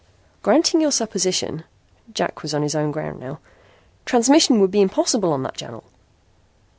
"Granting your supposition," Jack was on his own ground now "transmission would be impossible on that channel."